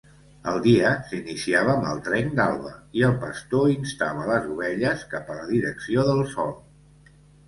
El dia s'iniciava amb el trenc d'alba, i el pastor instava les ovelles cap a la direcció del sol.